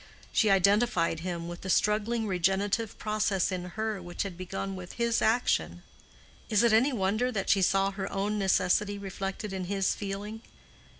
She identified him with the struggling regenerative process in her which had begun with his action. Is it any wonder that she saw her own necessity reflected in his feeling?